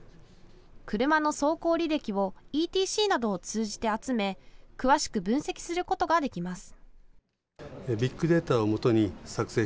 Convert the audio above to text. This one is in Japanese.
車の走行履歴をＥＴＣなどを通じて集め詳しく分析することができます。